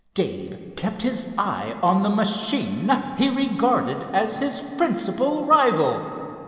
Dave kept his eye on the machine he regarded as his principal rival.